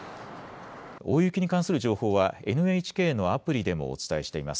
大雪に関する情報はＮＨＫのアプリでもお伝えしています。